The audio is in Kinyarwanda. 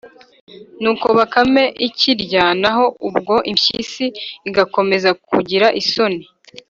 nuko bakame ikarya, naho ubwo impyisi igakomeza kugira isoni,